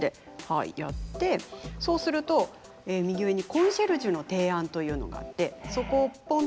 はいやってそうすると右上にコンシェルジュの提案というのがあってそこをポンと押すと。